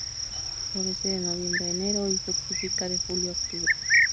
Florece de noviembre a enero, y fructifica de julio a octubre.